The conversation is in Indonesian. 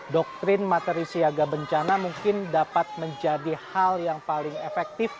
doktrin materi siaga bencana mungkin dapat menjadi hal yang paling efektif